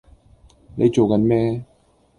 你做緊咩